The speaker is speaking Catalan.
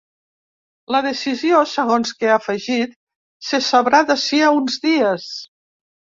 La decisió, segons que ha afegit, se sabrà d’ací a uns dies.